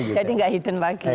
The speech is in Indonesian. jadi gak hidden lagi